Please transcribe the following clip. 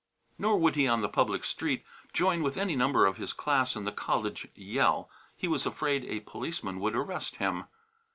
Nor would he, on the public street, join with any number of his class in the college yell. He was afraid a policeman would arrest him.